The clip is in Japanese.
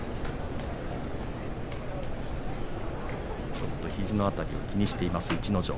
ちょっと肘の辺りを気にしています逸ノ城。